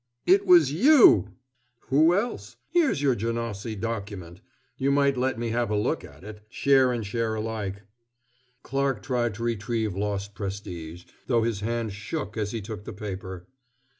"It was you!" "Who else? Here's your Janocy document. You might let me have a look at it. Share and share alike." Clarke tried to retrieve lost prestige, though his hand shook as he took the paper.